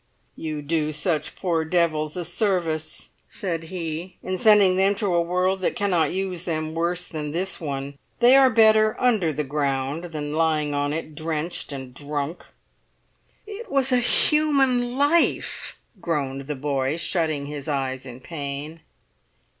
"You do such poor devils a service," said he, "in sending them to a world that cannot use them worse than this one. They are better under the ground than lying on it drenched and drunk!" "It was a human life," groaned the boy, shutting his eyes in pain.